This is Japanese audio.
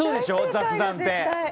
雑談って！